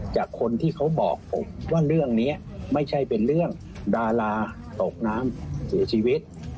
จากคนที่เขาบอกผมว่าเรื่องนี้ไม่ใช่เป็นเรื่องดาราตกน้ำเสียชีวิต